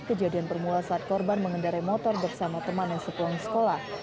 kejadian bermula saat korban mengendarai motor bersama teman yang sepulang sekolah